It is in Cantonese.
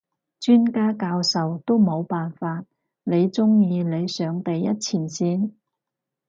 專家教授都冇辦法，你中意你上第一前線？